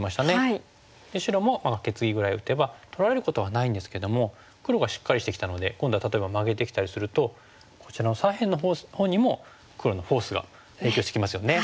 白もカケツギぐらい打てば取られることはないんですけども黒がしっかりしてきたので今度は例えばマゲてきたりするとこちらの左辺のほうにも黒のフォースが影響してきますよね。